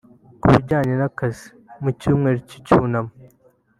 Ku bijyanye n’akazi mu cyumweru cy’icyunamo